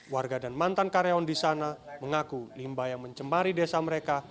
warga dan mantan karyawan di sana mengaku limbah yang mencemari desa mereka